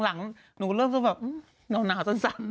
หลังหนูก็เริ่มจะแบบหนาวสั้น